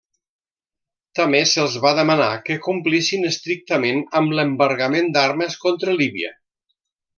També se'ls va demanar que complissin estrictament amb l'embargament d'armes contra Líbia.